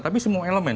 tapi semua elemen